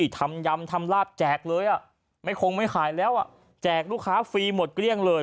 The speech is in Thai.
ทำยำทำลาบแจกเลยไม่คงไม่ขายแล้วแจกลูกค้าฟรีหมดเกลี้ยงเลย